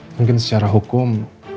mungkin secara hukum